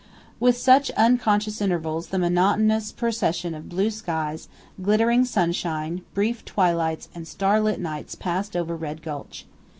With such unconscious intervals the monotonous procession of blue skies, glittering sunshine, brief twilights, and starlit nights passed over Red Gulch.